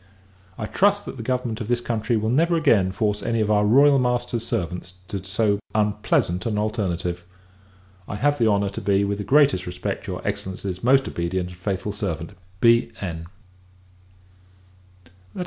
I trust, that the government of this country will never again force any of our Royal Master's servants to so unpleasant an alternative. I have the honour to be, with the greatest respect, your Excellency's most obedient and faithful servant, B.N.